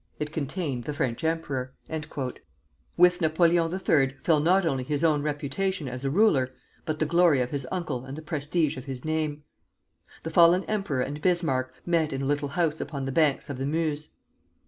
It contained the French emperor." With Napoleon III. fell not only his own reputation as a ruler, but the glory of his uncle and the prestige of his name. The fallen emperor and Bismarck met in a little house upon the banks of the Meuse.